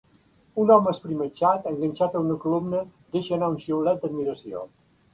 Un home esprimatxat enganxat a una columna deixa anar un xiulet d'admiració.